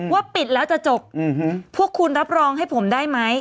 ว่าปิดแล้วจะจบพวกคุณรับรองให้ผมได้ไหม